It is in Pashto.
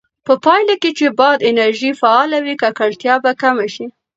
په پایله کې چې باد انرژي فعاله وي، ککړتیا به کمه شي.